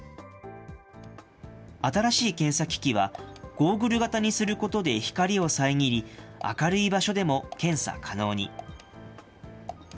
新しい検査機器は、ゴーグル型にすることで光を遮り、明るい場所でも検査可能に。